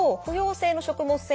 不溶性の食物